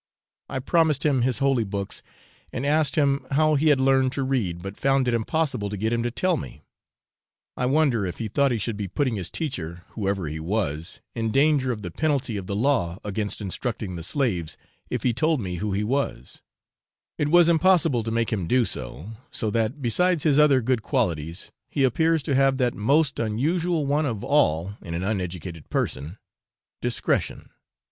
I promised him his holy books, and asked him how he had learned to read, but found it impossible to get him to tell me. I wonder if he thought he should be putting his teacher, whoever he was, in danger of the penalty of the law against instructing the slaves, if he told me who he was; it was impossible to make him do so, so that, besides his other good qualities, he appears to have that most unusual one of all in an uneducated person discretion.